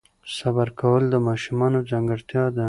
صبر کول د ماشومانو ځانګړتیا ده.